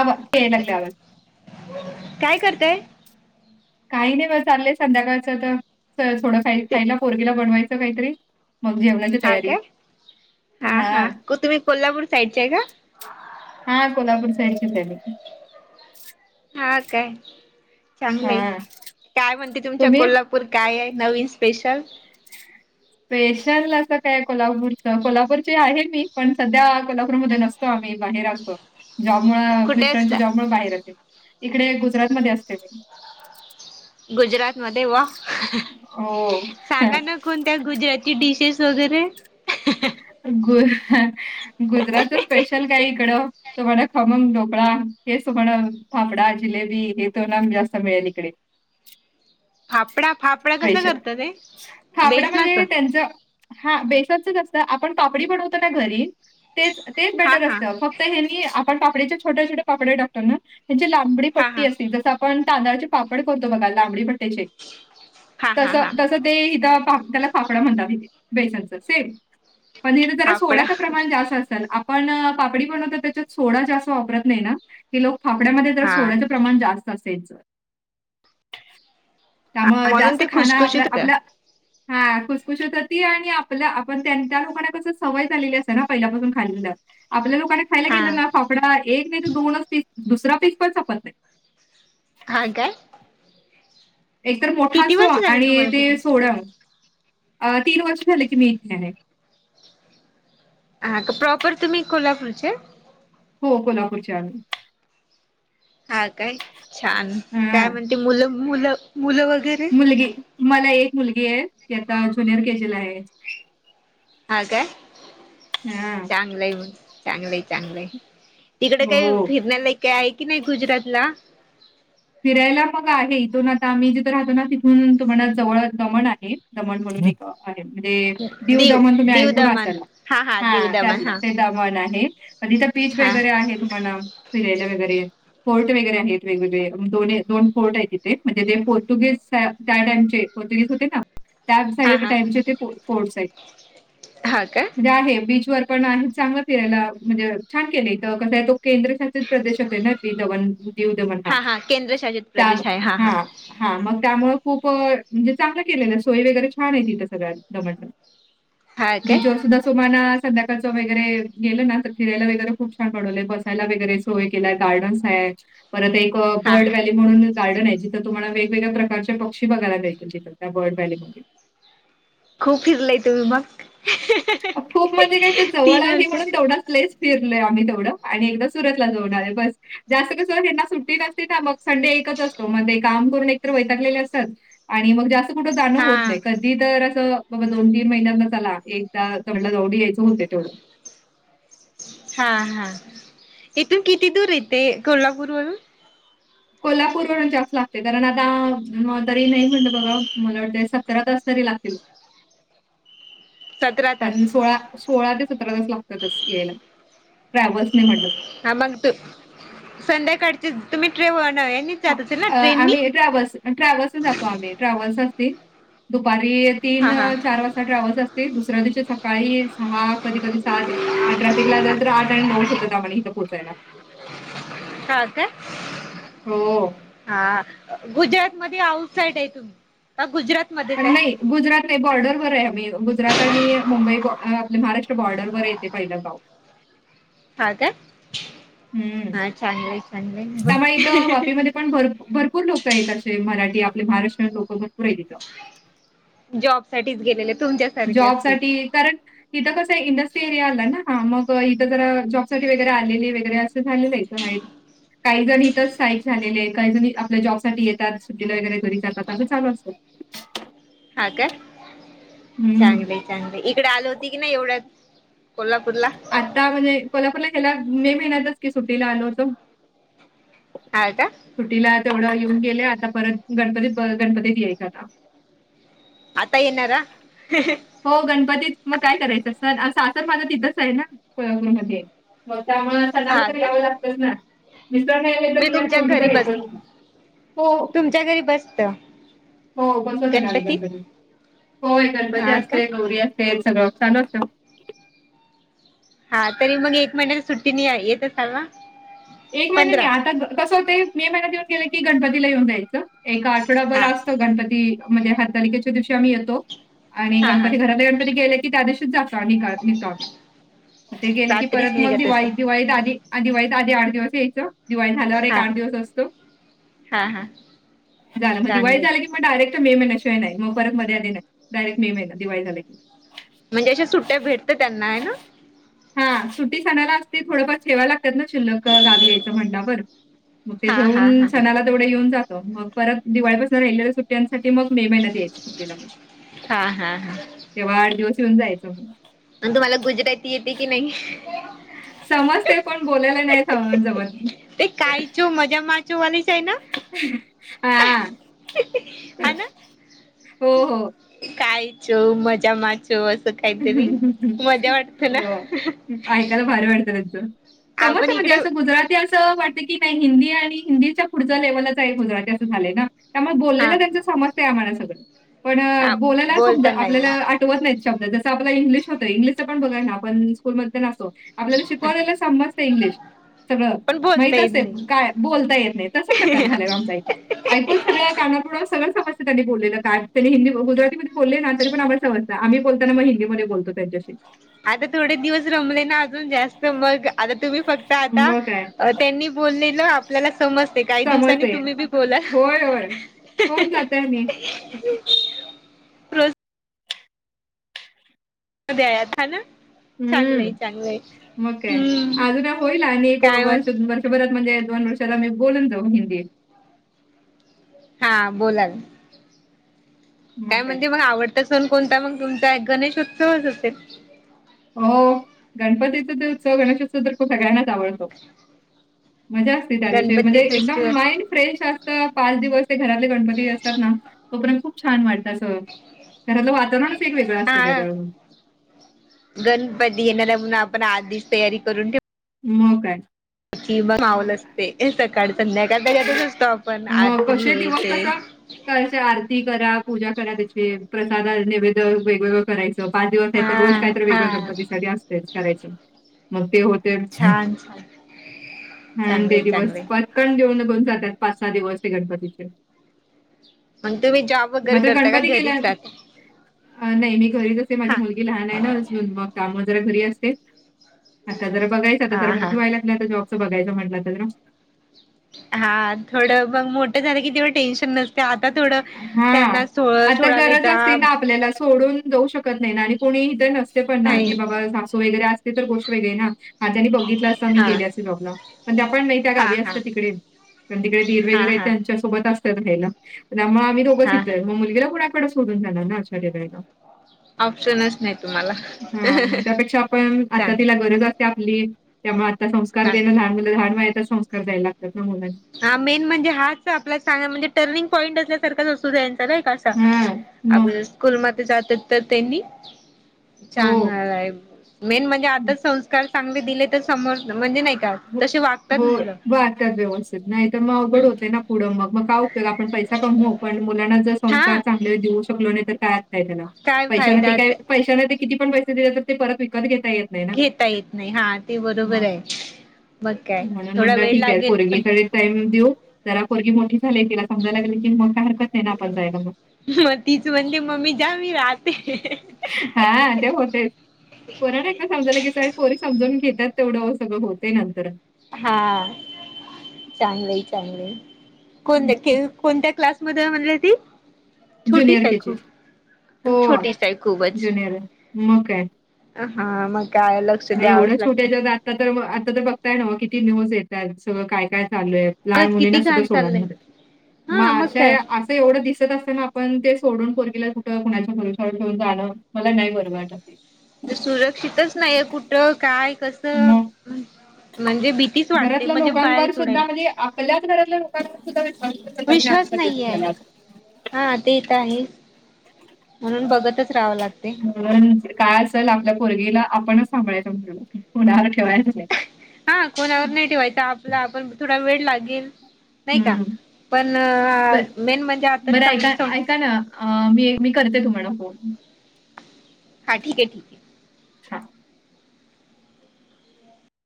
आवा यायला लागलाय आवाज. काय करताय? काही नाही ब चाललंय संध्याकाळचं तर थोडं खाय खायला पोरगीला बनवायचं काहीतरी. मग जेवणाच हा काय हा हा तुम्ही कोल्हापूर साईडच्या आहे का? हा कोल्हापूर साईडचेच आहे. हा काय चांगलंय हां, काय म्हणते तुमच्या तुम्ही? कोल्हापूर पूर काय आहे नवीन स्पेशल? ह [inaudible] स्पेशल असं काय कोल्हापूर कोल्हापूरचे आहे मी पण सध्या कोल्हापूरमध्ये नसतो. आम्ही बाहेर आसतो. जॉब मुळ कुठे मिस्टरांचा असता जॉब मुळ बाहेर येते इकडे गुजरात मध्ये असते मी. गुजरात मध्ये वा हो. सांगा ना कोणत्या गुजराती डिशेस वगैरे. गु गुजरातच स्पेशल काय इकडं. तो म्हड, खमंग ढोकळा, हे तो म्हण फाफडा, जिलेबी, हे तो ना जास्त मिळेल इकडे. फाफडा फाफडा कसा स्पेशल करतात ते फापड बेसनाच म्हणजे त्यांचं हा बेसनचच असतं आपण पापडी बनवतो ना घरी तेच तेच हा बेटर हा असतं फक्त तर हे आपण पापडीच्या छोट्या छोटे पापड टाकतो ना त्यांची लांबडी हा पट्टी हा असे जसं आपण तांदळाचे पापड करतो बघा लांबडी भट्ट्याचे हा हा तस हा तस.. ते इथ त्याला फाफडा म्हणतात बेसनच सेम पण इत जरा फाफडा सोड्याचं प्रमाण जास्त असत. आपण पापडी बनवतो ना त्याच्यात सोडा जास्त वापरत नाही ना हे लोकं फाफड्या मध्ये हा सोडायचे प्रमाण जास्त असते हयाच. त्यामुळे म्हणून जास्त ते खाणं आपल्या खुशखुशीत होत आपल्या हा खुशखुश होत होती. आणि आपल्या आपण त्यां त्या लोकांना कस सवय झालेली असत ना पहिल्यापासून खाल्लेल आपल्या लोक खायला हा गेलं ना फाफडा एक नाही तर दोनच पीस दुसरा पीस पण संपत नाही. हा काय! एकतर मोठा किती असो वर्ष झाली आणि तुम्हाला ते तिकडे सोडा, तीन वर्ष झाले की मी इथे आहे. हां का प्रॉपर तुम्ही कोल्हापूरचे? हो कोल्हापूरच्या आम्ही हा काय छान काय हां, म्हणते मुलं मुलं मुलं वगैरे मुलगी मला एक मुलगी आहे. ती आता ज्युनियर के जी ला आहे. हा काय! हा. च चांगलं चांगलंय तिकड काही हो. फिरण काय आहे की नाही गुजरात ला फिरायला मग आहे इथून आता आम्ही जिथं राहतो ना तिथून तुम्हाला जवळ दमण आहे दमण म्हणून एक गावं म्हणजे दीव दमन तुम्ही दीव ऐकून दमण असाल हा दीव दमण हा त्यातला दमण आहे तिथं बिच हा वगैरे आहे तुम्हाला फिरायला वगैरे फोर्ट वगरे आहेत वेगवेगळे दो दोन फोर्ट आहे तिथे म्हणजे जे पोर्तुगीज त्या टाइमचे पोर्तुगीज होते ना त्या हा साईड टॅनचे ते फोर्ट साइड ह का! म्हणजे आहे बीच वर पण आहे चांगलं फिरायला म्हणजे छान केलं कसय तो केंद्रशासित प्रदेश होते ना, दिव दमण, दिव दमण हा केंद्रशासित प्रदेश आहे हा हां हा मग त्यामुळे खूप म्हणजे चांगल केलेलं सोय वगैरे छान आहे तिथं सगळ्यात दमण हा काय बीच असो म्हणा. सध्याकाळचं वगैरे गेलं ना तर फिरायला वगैरे खूप छान कडवलेय बसायला वगैरे सोय केलाय गार्डन्स आहेत. परत एक हा बर्ड हा व्हॅली म्हणून गार्डन आहे जिथं तुम्हाला वेगवेगळ प्रकारच्या पक्षी बघायला मिळतील तिथं त्या बर्ड व्हॅलीमध्ये खूप फिरलंय तुम्ही मग खूप म्हणजे काय ते जवळ तीन आहे वर्ष म्हणून तेवढं च प्लेस फिरलो आम्ही तेवढं आणि एकदा सुरतला जाऊन आले बस. जास्त कसं ह्यांना सुट्टी नसती ना मग संडे एकच असतो मग काम करून एकतर वैतागलेले असत. आणि मग जास्त कुठं जाणं हा होत नाही कधी तर असं बाबा दोन तीन महिन्यांना चला एक त्या कंडला जावडी यायचं होते तेवढं. हा हा इथून किती दूर येते कोल्हापूर वरून कोल्हापूरवरून जास्त लागते कारण आता तरी नाही म्हणलं बघा मला वाटतं सतरा तास तरी लागतील. सतरा [unintelligible] पण तास सोळा सोळा ते सतरा तास लागतातच यायला ट्रॅव्हल्सनी म्हट हा मग तू संध्याकाळचे तुम्ही ट्रेन व ना हां. अ ट्रेननी? आम्ही ट्रॅव्हल्स आणि ट्रॅव्हल्सनी जातो आम्ही ट्रॅव्हल्स असती दुपारी तीन हा हा चार वाजता ट्रॅव्हल्स असती. ते दुसऱ्या दिवशी सकाळी सहा कधी कधी सात आणि ट्रॅफिक लागलं तर आठ आणि नऊच होतं त्या इथे पोहोचायला. हा काय! हो हा गुजरात मध्ये आउटसाईड आहे. तुम्ही गुजरात मध्येच आणि आहे? नाही गुजरात नाही बॉर्डरवरर आहे आम्ही गुजरात आणि मुंबई आपले महाराष्ट्र बॉर्डरवरर येते पहिलं ह काय हं. हा छांगलं आहे ांगलं आहे त्यामुळे इथं बघ वापीमध्ये पण भर भरपूर लोक आहेत असे मराठी आपले महाराष्ट्रीय लोकं भरपूर आहेत तिथं. जॉब साठीच गेलेले तुमच्या जॉब साठी कारण तिथं कसं इंडस्ट्री एरिया आला ना मग इथं जरा जॉबसाठी वगैरे आलेली वगैरे असे झालेलं आहे. काही जण इथच स्टाईक झालेले काही जणी आपल्या जॉब साठी येतात सुट्टीला वगैरे घरी जातात अस चालू असतो. [unintelligible] हा का हं. चांगलं चांगलं इकडे आल होत की नाही एवढ्यात कोल्हापूरला? आता म्हणजे कोल्हापूरला ह्याला मे महिन्यातच की सुट्टीला आलो होतो. हा का सुट्टीला तेवढं येऊन गेले आता परत गणपती गणपतीत येईल आता आता येणारार हो गणपतीत मग काय करायचं स सासर माझं तिथंच आहे ना मध्ये मग त्यामुळे हा सणाला हा तर का? यावं लागतंच ना मिसर नाही तर मी तुमच्या मुलगी घरी तर बस येत. तुमच्या घरी बसत हो बसवत ना् गणपती होय गणपती हा का? असते. गौरी असते सगळं चाल असतं हा तरी मग एक महिन्यात सुट्टीने येत असाल ना. एक महिन्या नाही पंधरा? आता कसं होते मे महिन्यात येऊन गेले की गणपतीला येऊन जायचं. एका आठवडाभर हा असतो गणपती मजे हरतालिकेच्या दिवशी आम्ही येतो. आणि हा हा गणपती घरातले गणपती गेले की त्या दिवशीच जातो अ काल लि ते गेलं की रात्रीच परत मग निघत असे दिवाळी दिवाळीत आधी दिवाळीत आधी दिवस येयच दिवाळी झाल्यावर एक हा आठ दिवस असतो हा हा झाला मग दिवाळी चांगले झाल मग डायरेक्ट मे महिन्याशिवाय नाही मग फरक मध्ये आधी नाही डायरेक्ट मे महिन दिवाळी झाला की म्हणजे अशा सुट्ट्या भेटतं त्यांना आहे ना. हा सुट्टी सनायला असते थोडंफार ठेवा लागतात ना शिल्लक गावी म्हंग ठे हा हा हा सणा तेवढ येऊन जात मग परत दिवाळीपासून राहि मग मे महिन्यात यायचे होते ना मग. हा हा हा तेव्हा आठ दिवसयेऊन जायचं. मण तुम्हाला गुजराती येते की नाही. समजते कोण बोललेले नाही जमत. ते कायचो मजा मारचो वाले हा हो हो खायचो मजा माचो असं काहीतरी मजा वाटत अ, ना ऐकायला भार वाटतं त्यांचं समज आपण स म्हणजे इकडे असं गुजरात ते असं वाटत की नाही हिंदी आणि हिंदीच्या पुढचा लेव्हलच एक गुजरात असं झालंय ना त्यामुळे हा बोललेला त्यांच समजतय आमला सगळं पण बोलायला समज बोलता आपल्याला नाही होत नाही शब्द जसं आपला इंग्लिश होतं इंग्लिश पण बघाय ना आपण स्कूलमध्ये आपल्याला शिकवलेलं समजत इंग्लिश. सगळं पण बोलता माहित येत असतय नाही काय बोलता येत नाही तस प्रकार झाले आमचा इथ. ऐकून सगळ्या कानापुड सगळ समजत त्यांनी बोललेलं त्यांनी हिंदी गुजरातीमध्ये बोलले ना तरी पण आ्हाला समजत आम्ही बोलताना मग हिंदीमध्ये बोलतो त्यांच्याशी आता थोडे दिवस रमले ना अजून जास्त मग आता तुम्ही फक्त आता मग काय त्यांनी बोललेलं आपल्याला समजते काही दिवसांनी समजते. तुम्ही बी बोला होय, होय. होऊन जातय मी प्रोत्साहन उद्याळत हा ना. चांगलंय हम्म, चांगलंय मग काय? हम्म अजून होईल आणि काय म्हण वर्ष दोन वर्षात परत म्हणजे दोन वर्षाला बोलल तो हिंदी. हा बोलाल. काय म्हणजे मग आवडता सण कोणता मग तुमचा? एक गणेशोत्सवच असेल. हो गणपतीचा ते उत्सव गणेशोत्सव तर तो सगळ्यांनाच आवडतो. मजा असते त्या दिवशी म्हणजे गणपती एकदम फेस्टिवल माइंड फ्रेंश असत. पाच दिवस ते घरातले गणपती असतात ना. तोपर्यंत खूप छान वाटतं. अस घरातलं वातावरणच एक वेगळं असतं हा त्याच्यामुळे. गणपती येणार म्हणून आपण आठ दिवस तयारी करून ठेवतो. मग काय? माऊल असते सकाळ संध्याकाळ त्यातच असतो आपण आरती हे ते क आरती करा, पूजा करा त्याची प्रसाद नैवेद्य वेगवेगळं करायचं. पाच दिवस आहे तर रोज हा काय तर वेगळ हा गणपतीसाठी असते करायचे. मग ते होते छान छान ते चांगलंय दिवस चांगलंय पण कन देऊन निघून जातात पाच सहा दिवस हे गणपतीचे मग तुम्ही जॉब वगैरे मात्र करता का? गणपती गेल्या घरीच राहता. नाही, मी घरीच असते. माझी हा मुलगी लहान आहे ना अजून मग काम जरा घरी असते. आता जर बघायच आता हा जरा हा मोठी वायला लागली. आता जॉबचं बघायच म्हटलं तर हा थोडं मग मोठं झालं की तेव्हा टेन्शन नसत. त्या आता थोडं हा त्यांना सो आता सोडायला गरज असते जा ना आपल्याला सोडून जाऊ शकत. शकत नाही आणि कोणी इथं नसत. पण ना नाही की बाबा सासू वगैरे असते तर गोष्ट वेगळी ना माझ्यानी बघितलं असता मी हा गेले असते जॉबला. पण त्या पण नाही त्या हा गावी हा असतात तिकडे कारण तिकडे दिर वगैरे हा हा त्यां त्यांच्या सोबत असतं राहायला. मग आम्ही दोघच हा हा इथे मग मुलगीला कुणाकडे सोडून जाणार ना ऑप्शनच नाही तुम्हाला [unintelligible] हा मग त्यापेक्षा आपण आता तिला चांगल गरज अस. ते आपली त्या आता संस्कार हा देणं लहान मुलं लहान वयातच संस्कार द्यायला लागतात ना. हा मेन म्हणजे हाच आपला सगळा म्हणजे टर्निंग पॉईंट असल्यासारखंच असतो ना यांचा हां, मग. अगोदर स्कूल मध्ये जातात तर त्यांनी हो. चांगल आहे. मेन म्हणजे हं. आता संस्कार चांगले दिले तर समोर म्हणजे नाही. का हो. तसे वागतात हो. मुलं. [unintelligible] नाही तर मग अवघड होत ना पुढं मग मग काय उपयोग आपण पैसा कमव पण मुलांना जर संस्कार हा चांगले देऊ शकलो नाही तर काय अर्थ आहे त्याला काय पैशाने ते फायदा काय ते किती पैसे दिले ते परत विकत घेता येत. नाही ना घेता येत नाही. हा ते बरोबर मग आहे. मग काय थोडा वेळ लागेल पण टाईम देऊ. जरा पोरगी मोठी झाली तिला समजायला लागले की मग काय हरकत नाही ना आपण जायला मग. मग तीच म्हणतेे मम्मी जा मी राहते. हा ते होतेय. पोरीला समजायला की पोरी समजून घेतात तेवढं सगळं होतेय नंतर हा चांगलं. चांगलं कोणत्या केवी? कोणत्या क्लास? [unintelligible] ज्युनियर के जी हो छोटीच आहे खूपच. जुनियर आहे मग आहे. हा मग कायला. मग एवढं छोट्या ज आता तर आता तर बघताय ना किती न्यूज येत आहेत सगळं काय काय चालू आहे. अ लहान मुलींना किती सुद्धा घाण चाललंय सोडायलात हा मग काय. अशा एवढं दिसत असताना आपण ते सोडून पोरगीला कुठं कुणाच्या भरवश्यावर ठेऊून जाणं मला नाही बरं वाटत. तर सुरक्षितच नाहीये कुठं? काय कस? मग [unintelligible] म्हणजे बी घरातल्या लोकांवर सुद्धा म्हणजे आप आपल्याच घरातल्या लोकांवर सुद्धा विश्वास ठेऊ नाही विश्वास नाहीये आजकाल.... [unintelligible] हा ते एक आहे... म्हणून बघतच राहावं लागतंय म्हणूनच काय असल आपल्या पोरगीला... आपणच सांभाळायचं म्हणटलं... कुणाला ठेवायचंय नाई हा कोणावर नाई ठेवायचं.. आपलं आपण... थोडा वेड लागेल नई का... हं. पण... मेन म्हणजे आताचे बरं ऐका चांगले सं ऐका ना अ... मी... मी करते तुम्हाला फोन हा... ठिक ए... ठीक ए अच्छा